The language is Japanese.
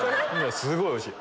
すごいおいしい！